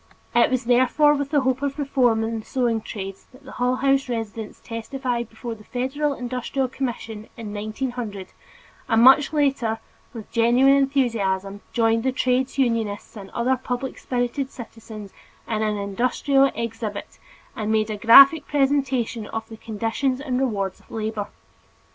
It was therefore with the hope of reform in the sewing trades that the Hull House residents testified before the Federal Industrial Commission in 1900, and much later with genuine enthusiasm joined with trades unionists and other public spirited citizens in an industrial exhibit which made a graphic presentation of the conditions and rewards of labor.